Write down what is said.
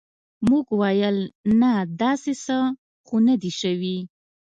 موږ ویل نه داسې څه خو نه دي شوي.